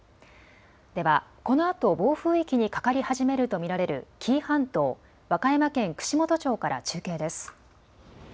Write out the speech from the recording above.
では、このあと、暴風域にかかり始めると見られる紀伊半島、和歌山県串本町から中継です。